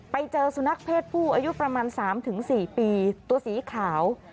ไปเจอสุนัขเพศผู้อายุประมาณ๓๔ปีตัวสีขาว